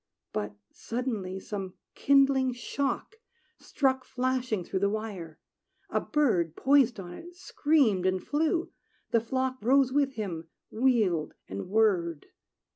But suddenly some kindling shock Struck flashing through the wire: a bird, Poised on it, screamed and flew; the flock Rose with him, wheeled, and whirred.